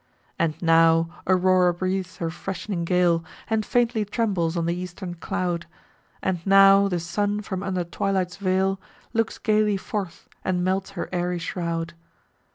And now, aurora breathes her fresh'ning gale, And faintly trembles on the eastern cloud; And now, the sun, from under twilight's veil, Looks gaily forth, and melts her airy shroud.